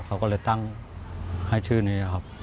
เขาก็เลยตั้งให้ชื่อนี้ครับ